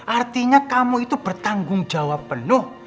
artinya kamu itu bertanggung jawab penuh